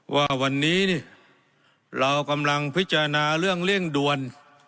ว่าวันนี้เรากำลังพิจารณาเรื่องเร่งด่วน